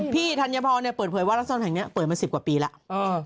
พี่ธัญพรเนี่ยเปิดเผยวารักษณ์ทางนี้เปิดมาสิบกว่าปีแล้ว